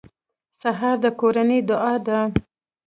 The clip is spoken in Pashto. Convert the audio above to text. سهار د کورنۍ دعا ده.